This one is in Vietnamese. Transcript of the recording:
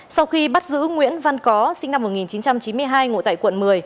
sau khi bắt giữ nguyễn văn có sinh năm một nghìn chín trăm chín mươi hai ngụ tại quận một mươi